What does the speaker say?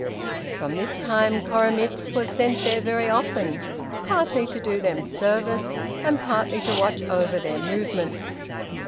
From this time Koremitz was sent there very often, partly to do them service, and partly to watch over their movements.